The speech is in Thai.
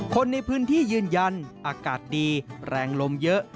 คนในพื้นที่ยืนยันอากาศดีแรงลมเยอะ